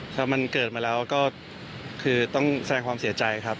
ถ้ามันเกิดมาแล้วก็คือต้องแสดงความเสียใจครับ